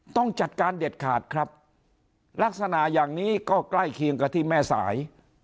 ต้องจัดการเด็ดขาดครับลักษณะอย่างนี้ก็ใกล้เคียงกับที่แม่สาย